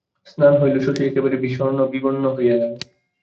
ম্লান হইল শশী, একেবারে বিষণ্ণ বিবর্ণ হইয়া গেল।